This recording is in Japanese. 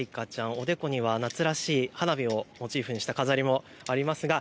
おでこには夏らしい花火をモチーフにした飾りもあります。